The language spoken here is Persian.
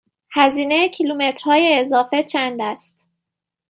هزینه کیلومترهای اضافه چند است؟